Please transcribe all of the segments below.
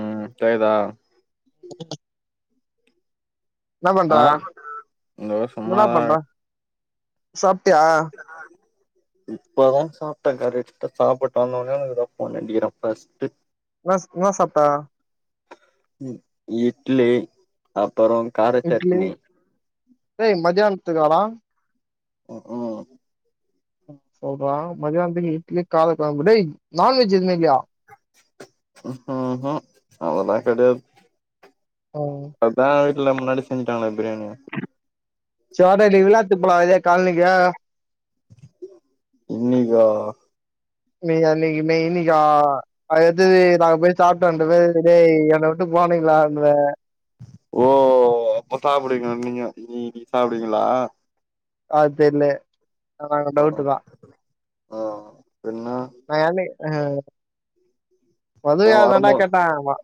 ம் கேக்குதா என்ன பண்ற ஆ இதோ என்டா சும்மாதா பண்ற சாப்ட்டியா ஆ இப்பதா சாப்ட்ட கரெட்டா சாப்பட்டு வந்தோனே ஃபோன் அடிக்கிறேன் ஃபர்ஸ்ட்டு என்னாஸ் என்ன சாப்ட்ட இட்லி அப்பறோம் கார சட்னி ஏய் மதியான்த்துக்காடா [inaudible] சொல்றா மதியானத்துக்கு இட்லி கார கொழம்பு டே நான்வெஜ் எதுமே இல்லயா ம் அதெல்லா கெடையா ம் அதான் வீட்ல முன்னாடி செஞ்ட்டாங்ளே பிரியாணி சோரலி விழாத்து போல கால்லயா இன்னிக்கா மே அன்னக்கி மெய்ன்னிகா அது எத்வனு நாங்க போய் சாப்ட்டோ வந்துருதோம் [unintelligible] என்ன விட்டு போனீங்களா அங்க ஓ அப்ப சாப்டுவிங்க நீங்க நீ நீ சாப்டுவிங்களா அது தெரில ஆ டவுட்டுதா ஆ பின்ன நா யார்னே ஆ நா மொதயே அதாண்டா வரும்போ கேட்ட ஆமா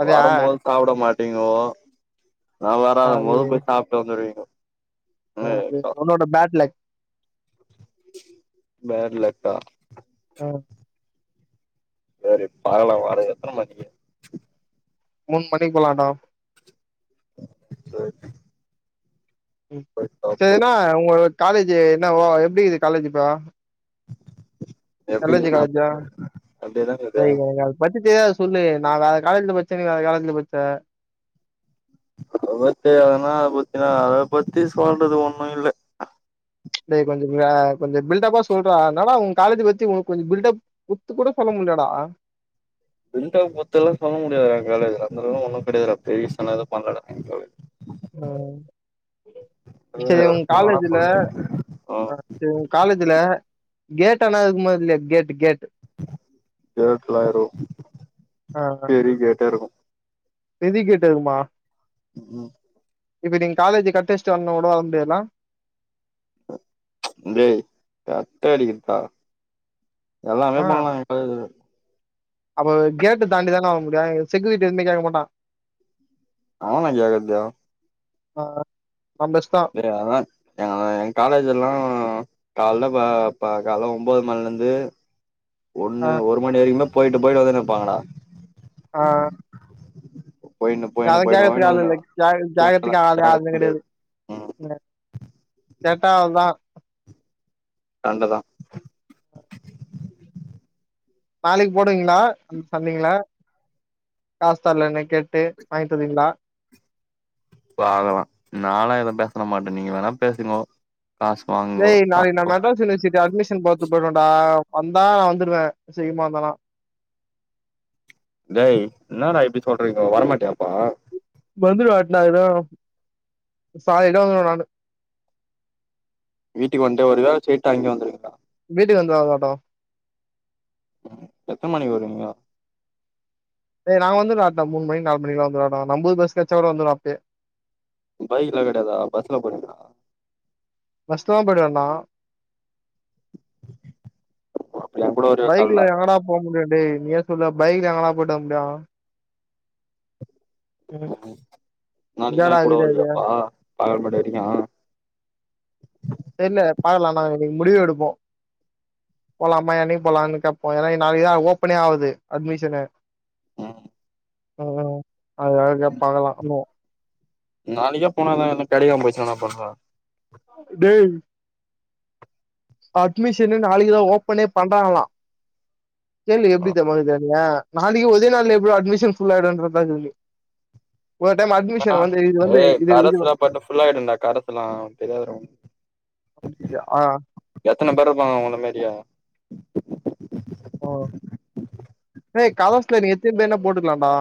அதயா சாப்பிட மாட்டீங்கோ நா அது வறாதாம்போது போய் சாப்ட்டு வந்துருவீங்கோ என்ன ஒனக்கு அக்கா உன்னோட பேட் லக் பேட் லக் தா ஆ சரி பாக்கலா வாறே எத்தனை மணிக்கு மூணு மணிக்கு வெளாண்டோ சரி ம் போய் சாப்டு சரினா உங்க காலேஜ் என்ன எப்படிக்குது காலேஜ் இப்ப எப்டி [unintelligible] காலேஜா அப்டியேதாங்க இருக்கு ஏய் எனக்கு அத பத்தி தெரியாது சொல்லு நா வேற காலேஜுல படிச்சே நீ வேற காலேஜல படிச்ச [unintelligible] அத பத்தி சொல்றது ஒண்ணு இல்ல டேய் கொஞ்சோ கொஞ்சோ பில்டப்பா சொல்றா என்னடா உங்க காலேஜ் பத்தி உங்ளுக்கு கொஞ்ச பில்டப் உத்து கூட பண்ண முட்லயேடா விண்டா பொத்து எல்லா பண்ணமுடியாதுடா காலேஜ்ல அந்த அளவுளா ஒன்னு கெடையாது டா பெரிஸ்சா எதும் பண்லடா ம் சரி உங்க காலேஜ்ல ஆ ம் ஆ உங்க காலேஜ்ல கேட்டலா இருக்குமா இல்லையா கேட் கேட் [unintelligible] கரி கேட்டா இருக்கு விதி கேட்டதுமா ம் ம் இப்ப நீங்க காலேஜ் கட் அடிச்சு வரனும்னா கூட வர முடியாதுலா ஏய் கட்ட அடிக்கதா எல்லாமே ஆ பண்ணலாங்க அது அப்ப கேட்டு தாண்டிதான வர முடியு செக்கிருட்டி எதுமே கேக்க மாட்டா அவனா கேக்கதா ஆ ஆ ஆ பெஸ்டா அதா எ எங்க காலேஜ் எல்லா கால்ல பா பா கால்ல ஒம்போது மணில இருந்து ஒண்ணு ஆ ஒரு மணி வரைக்குமே போயிட்டு போயிட்டு வந்துனு இருப்பாங்கடா ஆ போயினு அதா போயினு போயினு கேக்குறதுக்கு போயினு ஆள் வந்துனு இல்ல கே கேக்கல கேக்குறதுக்கு ஆள் கேக்கல யாருமே முடியாது கெடையாது ம் [inaudible] கேட்டா அவ்ளோ தா சண்டதா நாளைக்கு போடுவிங்களா சண்டைங்களா காஸ்தலன்ன கேட்டு வாங்கிட்டு வந்தீங்களா பாக்கலா நாளா எதுவு பேச மாட்டே நீங்க வேணா பேசுங்கோ காஸ் வாங் ஏய் நாளைக்கு நா மெட்ராஸ் யூனிவர்சிட்டி அட்மிஷன் பாத்து போய்றுவேடா வந்தா நா வந்துடுவே செய்யுமாந்தானா டேய் என்னடா இப்டி சொல்றீங்க வரமாட்டியா அப்போ வந்துடு வாட்டன இடோ சாய இடம் வந்து நானு வீட்டுக்கு வந்தவர் தான் ஸ்ட்ரெயிட்டா அங்கே வந்துங்க வீட்டு வந்துருவாங்க ம் எத்தன மணிக்கு வருவீங்க ஏ நா வந்துருவன்டா மூணு மணி நால மணிகுலாம் வந்துட்ட நம்போ பஸ் கச்ச கூட வந்துருவ அப்பயே பைக்லா கெடையதா பஸ்ல போறீங்ளா பஸ்ல தான் போய்ட்டு வரனு அப்ப என் கூட வருவியா கால்ல பைக்ல எங்கடா போ முடியு டே நீயே சொல்லு பைக்ல எங்கடா போயிட்டு வர முடியு ம் நாளைனா எங்கடா என் கூட இருக்குது அது வருவீயாப்பா பகல் மட்டு வரைக்கு தெரியல பாக்கலாம் நா இன்னிக்கி முடிவு எடுப்போம் போலாமா என்னைக்கு போலாம்னு கேப்போம் ஏன்னா நாளைக்குதான் ஓப்பனே ஆகுது அட்மிஷனு ம் உ அ [unintelligible] பாக்கலா நாளைக்கே போனாதா எதுனா கடைய போய்ச்சான்லா தெர்ல டேய் அட்மிஷன் நாளைக்குதா ஓப்பனே பண்றாங்களாம் சேல்லு ஆ எப்டித்த மக்கு தெனங்க நாளைக்கு ஒரே நாள்ல எப்டி அட்மிஷன் ஃபுல் ஆய்டுன்றதாருக்கு இது வந்து ஏ இது இது கரெஸ்ல்லா பாட்டு ஃபுல்லாய்டுன்டா கரஸ்ஸொல்லா தெரியாத ஆ எத்தன பேருப்பாங்க உங்க மாரியா ஓ ஏ கலர்ஸ்ல நீ எத்தின்னி வேனா போட்டுக்கலாம்டா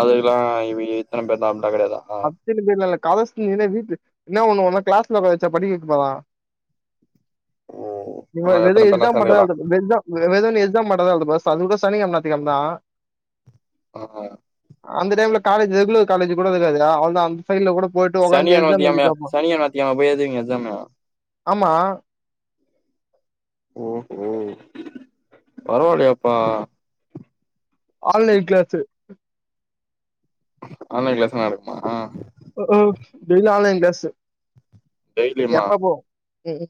அதுக்கெல்லா இவி இத்தன பேர் தா அப்டிலா கெடையாதா அப்பின்னு பேர்லா இல்ல கத சொன்னின்னா வீட்டு என்னா ஒண்ணும் உன்ன கிளாஸ்ல வச்சா படிக்க வைக்க போறான் ஓ நீ வேற ஆமா வெறு எத்தன பேர்னா எக்ஸாம் மட்டும்தா சேந்துக்கலா எழுத எக்ஸாம் வெதென்னு எக்ஸாம் மாட்டாதா எழுதனு அது கூட சனி கிழம ஞாத்தி கிழம தா ஆ அந்த டைம்ல காலேஜ் ரெகுலர் காலேஜ் கூட இருக்காதுடா அவளேதா அந்த சைட்ல கூட போயிட்டு சனி உக்காந்து எக்ஸாம் அனுவத்தியாமே எழுதிட்டு வப்போ சனி அனுவாத்தியம் போய் எழுதுவீங்க எக்ஸாமு ஆமா ஓ ஓ பரவல்லயேப்பா ஆன்லைன் கிளாஸூ ஆன்லைன் கிளாஸ் நடக்குமா க்கு டெய்லி ஆன்லைன் கிளாஸ்ஸு டெய்லியுமா எப்ப போவோம் எ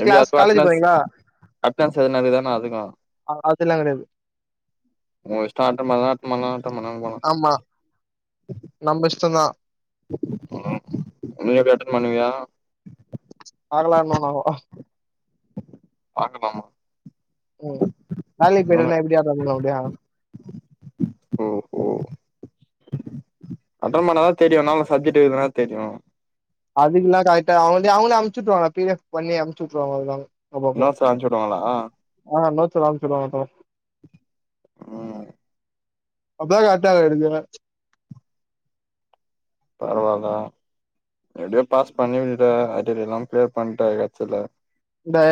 எப்டி அதுக்கு அட்னன்ஸ் அட்னதுனக்கு தானே அதுக்கு ஆ அதெல்லா கெடையாது உ இஷ்டோ அட்டண் பன்றதுனா அட்டன் பண்ணு அட்டன் பண்ணலனா போலா ஆமா நம்ப இஷ்டோதா நோ நோ இன்னைக்காச்சு அட்டன் பண்ணுவியா ஆகலான்னோனோங்கோ அ வாங்க பாமா ம் வேலைக் போயிட்டனா எப்டி அட்டன் பண்ண முடியு ஓஹோ அட்டன் பண்ணாதாத் தெரியு என்னாலா சப்ஜெக்ட் இருகுதுனாத் தெரியு அது எல்லா கரக்ட்டா அவங்க்ட அவங்களு அனுச்சிட்டுவாங்க பி எஃப் பண்ணி அம்ச்சுட்டுவாங்கதா அப்ப அப்ப நோட்ஸ் அனுப்ச்சு விடுவாங்களா ஆ நோச்சல்லாம சொல்லுவாங்க தோ ம் அப்பதா கரக்டா எடுக்கே பரவால எப்படியோ பாஸ் பண்ணி விட்டுட்ட அரியர் எல்லா க்ளியர் பண்ணட்ட கட்சியில தா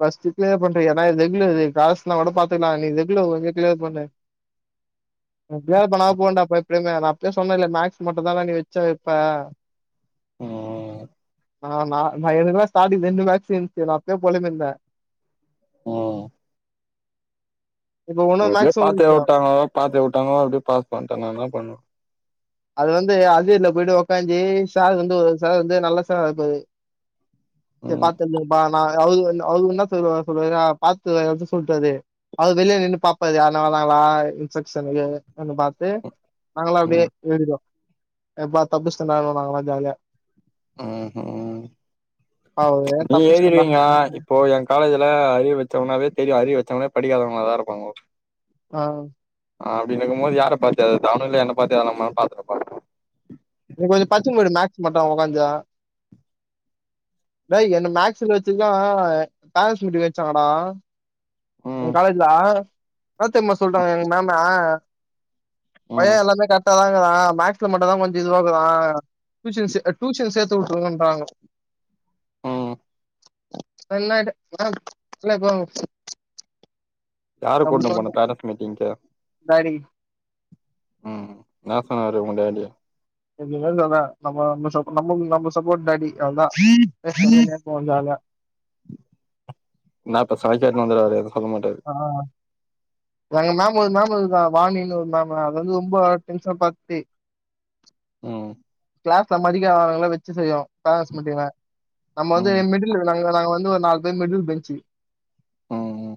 பர்ஸ்ட்டு கிளியர் பண்ற ஏன்னா ரெகுலரு காச எலா விட பாத்துக்கலா நீ ரெகுலர் கொஞ்ச க்ளியர் பண்ணு [inaudible] அடிய பண்ணா போகண்டாப்ப எப்படியுமே நாப்பயே சொன்ல்ல மேக்ஸ் மட்டுந்தாண்டா நீ வச்ச வப்ப ம் நா நா நா எனக்குலா ஸ்டாடிங் ரெண்டு மாக்ஸ் இருந்துச்சுனா எ போலம்பிந்த ம் அப்டியே பாத்துக இருந்துச்சு வுட்டாங்கோ பாத்துக வுட்டாங்கோ அப்டியே பாத் பண்டனா நா என்ன பண்ணு அது வந்து அசீர்ல போயிட்டு வொக்காஞ்சி சார் வந்து ஓரு‌சார் வந்து நல்ல சாருவந்தாரு ம் அவுரு வந் அவுரு ன்னா சொல்லுவா சொல்லுவாருனா பாத்துக்குல அப்டி சொல்ட்டாரு அது வெளிய நின்று பாப்பாரு யார்னா வராங்களா இன்ஸ்பெக்க்ஷனகுனு பாத்து நாங்களா அப்டியே ம் எழுதிடுழோ எப்பா தப்புச்சண்டா நாங்களா ஜாலியா ம் ஹும் அவரு நீ தப்பிச்சிட்டேன்டா எழுதிடுவீங்கோ இப்போ எங்க காலேஜ்ல அறியர் வெச்சவனாவே தெரியு அறியர் வெச்சவனே படிக்காதவங்கள தா இருப்பாங்கோ ஆ அப்டினுக்கும் போது யார பாத்து எழற்து அவுனுங்களே என்ன பாத்த எழதலாமானு பாத்து இருப்பானுங்கோ நீ கொஞ்சோ பச்சினு போயிடு மேக்ஸ் மட்டு உகாந்தா டேய் என்ன மேக்ஸ்ல வச்சுதா பேரன்ஸ் மீட்டிங் வெச்சாங்கடா எங் ம் காலேஜ்ஜில என்னாத்தெர்ம்மா சொல்டாங்க எங் மேமு பய ம் எல்லாமே கர்ட்டாதாகிறா மேக்ஸ்ல மட்டுந்தா கொஞ்ச இதுவாகிறா டூயூசன்ஸ்ஸெ டூயூஸன் சேத்து வுட்டுருங்கோன்றாங்கோ ம் வொன்னா இது ஆ இல்ல போங்க யாரு கூட்டுனு போன வந்து பேரன்ஸ் மீட்டிங்க்கு டாடி ம் நா சொன்னாரு உங்க டேடியி என்னுமேலபா நம்மோ நம்மோ சப் நம்ம நம்ம சப்போர்ட் டாடி அவுள்தா [unintelligible] நா பேஸ்னாலு கேட்னு வந்துருவாரு எது சொல்ல மாட்டாரு ஆ‌ஆ எங்க மேம் ஒரு மேம் இருக்கறாங்க வாணின்னு ஒரு மேம் அத வந்து டென்ஷன் பார்ட்டி ம் கிளாஸ்ல மதிக்கங்காதவனுங்கல வச்சு செய்யு பேரன்ஸ் மீட்டிங்ள நம்ம வந்து ம் மிடில் நாங்க நாங்க வந்து ஒரு நாலு பேர் மிடில் பெஞ்சு ம் ம்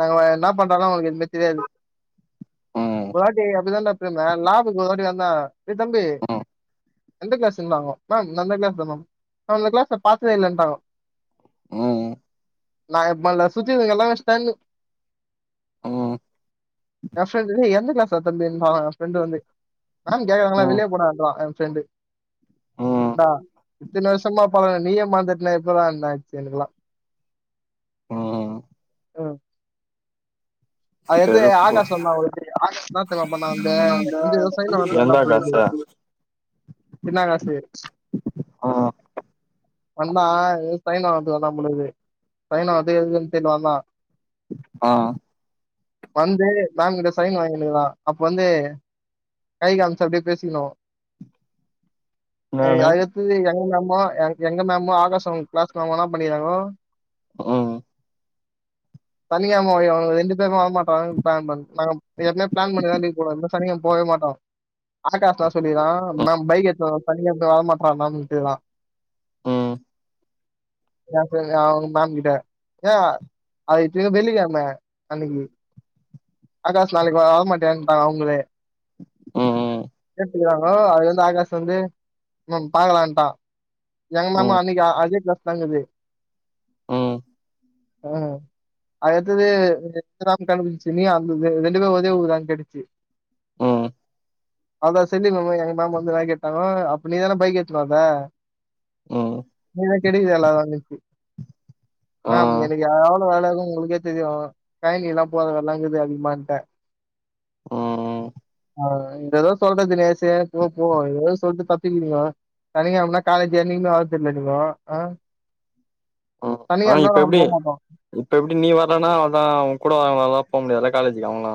நாங்க ன்ன பண்றாலு அவுங்ளுக்கு எதுவுமே தெரியாது ம் ஒரு வாட்டி அப்டிதான்டோ பிரமு லேபுக்கு ஒருவாட்டி வந்தா டே தம்பி ம் எந்த கிளாஸுன்ங்கோ மேம் நா இந்த கிளாஸ் தா மேம் நா இந்த கிளாஸ்ல பாத்ததே இல்லன்டாங்கோ ம் நா எப் மேல சுத்தினு [unintelligible] எல்லாமே ஷ்டன்னு என் ப்ரெண்டுல்ல டே எந்த கிளாஸ்டா தம்பி ன்றங்கனுங்க எ ஃப்ரெண்டு வந்து மேம் கேக்கறாங்களா ம் வெளியே போடான்றா எ ஃப்ரெண்டு ம் ன்டா இத்தினி வருஷமா பழகன நீயேமறந்துட்டனா எப்புறான்னே ஆச்சு எனுக்குலா ம் ம் அதுக்கத்து செருப்பு ஆகாஷ் வந்தா. ஒருவாட்டி ஆகாஷ ன்னா தெர்மா வந்து வந்து எதோ சைய்ன் வாஙகற்த்துக்கு வந்தா [unintelligible] திர்நாவுக்கரசு ஆ வந்தா எதோ சைன் வாங்கற்துக்கு வந்தா போலகிது சைன் வாங்கற்துக்கோ ஏதுக்கோன் தெர்ல வந்தா ஆ வந்து மேம் கிட்ட சைன் வாங்கினுகிறா அப்ப வந்து கை காமிச்சு அப்டியே பேசிக்கிணு [inaudible] அதுக்கத்து எங்க மேமு எங்க மேமு ஆகாஷாங்க கிளாஸ் மேமு ன்னா பண்ணிகிறாங்கோ ம் [unintelligible] [unintelligible] மாட்ட பிளான் பண் நாங்கப் எப்மே பிளான் பண்ணீதா லீவ்ப் போடுவே இந்த சனிகெழம் போவே மாட்டோ ஆகாஷ்லா சொல்லிகிறா மேம் பைக் எட்னு வர [unintelligible] ம் ம் [unintelligible] மேம் கிட்ட எ அது திரும் வெள்ளிகெழம அன்னைகி ஆகாஷ் நாளைக் வர மாட்டேன்டா அவுங்ளே ம் கேட்டுகிறாங்கோ அதுகு வந்து ஆகாஷ் வந்து மேம் பாக்கலான்ட்டா எங்க மேம்மு ம் அன்னைகு அ அதே கிளாஸ்தா இங்குது ம் அ அது எத்துதே [unintelligible] ரெண்டு பேது ஒதே ஊதுதான் கேட்டுச்சி ம் [unintelligible] மேம் எங்க மேம் வந்து வே கேட்டாங்கோ அப்ப நீதானே பைக் ஏத்துனு வந்தே ம் [unintelligible] ஆ மேம் எனகு எ எவ்ளோ வேலகு உங்குளுகே தெரியு [unintelligible] போத வேல்லாங்குது அதிகமான்ட்ட ம் ம் ஆ இந்த எதோ சொல்ற தினேஷே போ போ எதோ சொல்ட்டு தப்பிக்கீறீங்கோ சனிகெழமனா காலேஜே என்னிகுமே வரத்தில்ல நீங்கோ அ ம் ஆ இப்ப எப்டி போ மாட்டோ இப்ப எப்டி நீ வர்லனா அவுள்தா அவுங் கூட போ [unintelligible] காலேஜுக்கு அவுங்ளா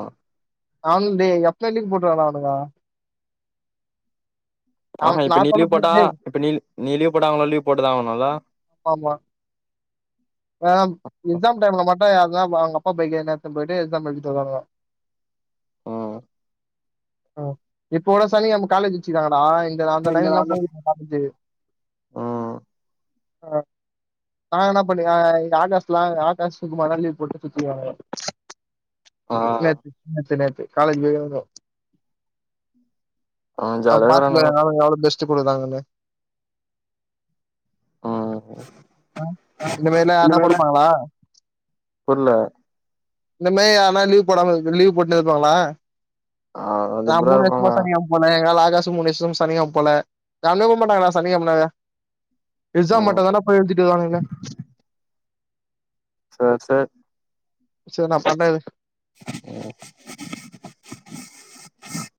அவுன் டே எப்போ லிவ் போட்ருவான்டா அவுனுக அவ ஆஹ நா இப்ப நீ லிவ் சொல்றதுக்கு போட்டா முன்னாடியே இப்ப நீல் நீ லிவ் போட்டா அவுங்ளு லீவ் போட்டுதா ஆவுணுல்ல ஆமா ஏனம் எக்ஸாம் டைம்ல மட்டு யார்தோப அவுங்க அப்பா பைக நேரத்த போயிட்டு எக்ஸாம் எழுதிட்டு வருவானுங்கோ ம் ம் இப்போட சனிகெழம காலேஜ் வெச்சுகிறாங்கடா இந்தர் இந்த அந்த நாள்ல [unintelligible] ம் ம் நாங்கனாப் பண்ணு அ இ ஆகாஷ்ட்லா ஆகாஷ் சுகுமாலா லிவ் போட்டு [unintelligible] ம் நேத்து நேத்து நேத்து காலேஜ் [unintelligible] அவ ஆம் ஜாலியா பாத்துக்க இருக்கறானுங்க [unintelligible] எவ்ளோ பெஸ்ட்டு குடுறாங்கன்னு ம் ஆ இந்த மேர்லா யார்னா கொடுப்பாங்களா புர்ல இந்த மேயி யார்னா லீவ் போடாம இரு சொல் லீவ் போட்னு இருப்பாங்களா ஆ நா ஜிப்ரா மூனு வருஷமா இருப்பாங்க சனிகெழம் போல எங்களால ஆகாசும் முனேஷும் சனிகெழம் போல யாருமே போமாட்டாங்கடா சனிகெழம் நாளே எக்ஸாம் ம் மட்டுந்தான்டா போய் எழுதிட்டு வருவானுங்ளே சார் சார் சேர் நாப் பண்ண இரு ம்